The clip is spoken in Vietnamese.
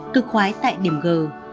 cực quái tại điểm g